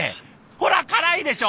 ほら辛いでしょ！